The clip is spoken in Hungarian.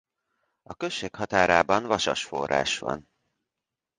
A község határában vasas forrás van.